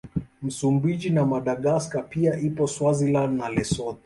Msumbiji na Madagaska pia ipo Swaziland na Lesotho